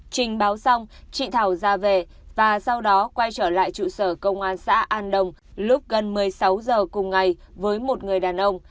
trình báo xong chị thảo ra về và sau đó quay trở lại trụ sở công an xã an đồng lúc gần một mươi sáu h cùng ngày với một người đàn ông